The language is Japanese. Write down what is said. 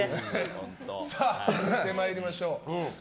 続いて参りましょう。